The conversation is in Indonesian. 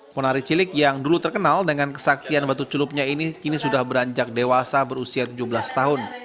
ponari cilik yang dulu terkenal dengan kesaktian batu celupnya ini kini sudah beranjak dewasa berusia tujuh belas tahun